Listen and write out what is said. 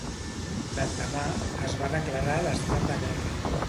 L'endemà, es va declarar l'estat de guerra.